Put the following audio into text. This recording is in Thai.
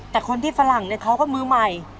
แต่คนที่ฝรั่งเนี่ยเขาก็มือใหม่